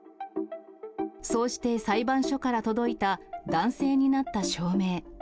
そうして裁判所から届いた、男性になった証明。